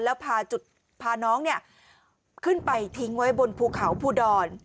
แล้วพาจุดพาน้องเนี่ยขึ้นไปทิ้งไว้บนภูเขาภูดอน